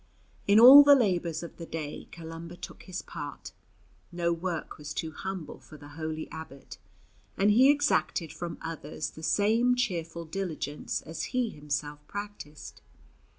In all the labours of the day Columba took his part; no work was too humble for the holy abbot, and he exacted from others the same cheerful diligence as he himself practised.